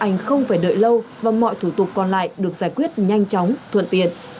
hành không phải đợi lâu và mọi thủ tục còn lại được giải quyết nhanh chóng thuận tiện